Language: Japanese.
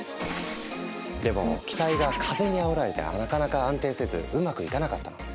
でも機体が風にあおられてなかなか安定せずうまくいかなかったの。